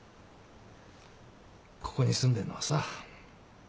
ここに住んでんのはさ